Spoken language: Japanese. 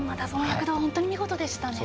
本当に見事でしたね。